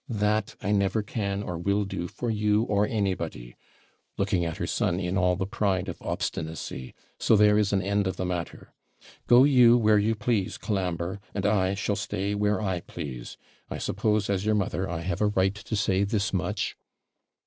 That I never can or will do for you or anybody!' looking at her son in all the pride of obstinacy; 'so there is an end of the matter. Go you where you please, Colambre; and I shall stay where I please: I suppose, as your mother, I have a right to say this much?'